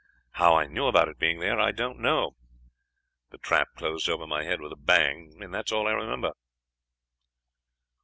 How I knew about it being there I don't know. The trap closed over my head with a bang. That is all I remember.'